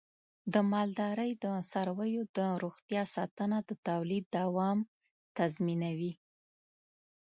د مالدارۍ د څارویو د روغتیا ساتنه د تولید دوام تضمینوي.